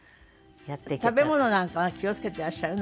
食べ物なんかは気を付けていらっしゃる？